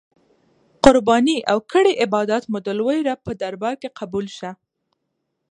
قربانې او کړی عبادات مو د لوی رب په دربار کی قبول شه.